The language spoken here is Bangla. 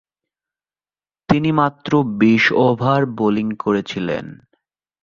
তিনি মাত্র বিশ ওভার বোলিং করেছিলেন।